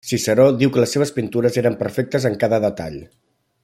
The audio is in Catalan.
Ciceró diu que les seves pintures eren perfectes en cada detall.